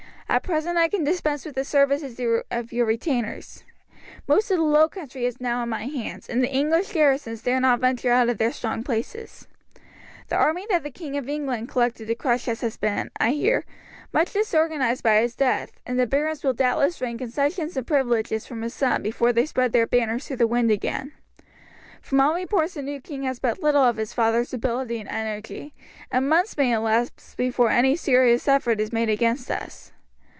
At present I can dispense with the services of your retainers. Most of the low country is now in my hands, and the English garrisons dare not venture out of their strong places. The army that the King of England collected to crush us has been, I hear, much disorganized by his death, and the barons will doubtless wring concessions and privileges from his son before they spread their banners to the wind again. From all reports the new king has but little of his father's ability and energy, and months may elapse before any serious effort is made against us.